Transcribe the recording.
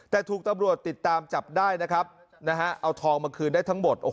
แต่ถูกตำรวจติดตามจับได้นะครับเอาทองมาคืนได้ทั้งหมด